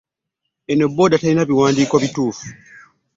Eno booda terina biwandiiko bituufu.